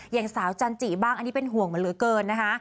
อย่างสาวจันจิบ้างอันนี้เป็นห่วงมาเหลือเกินนะคะ